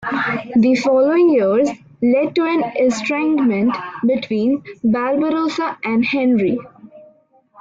The following years led to an estrangement between Barbarossa and Henry.